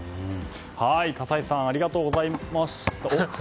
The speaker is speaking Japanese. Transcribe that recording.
葛西さんありがとうございました。